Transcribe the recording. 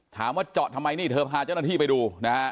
ถามว่าเจาะทำไมนี่เธอพาเจ้าหน้าที่ไปดูนะฮะ